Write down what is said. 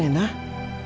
ada kita nena